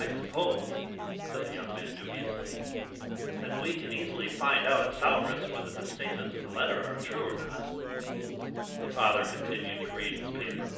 "I suppose," said the young man dubiously, "that we can easily find out at Souris whether the statements in the letter are true or not?" The father continued to read his paper.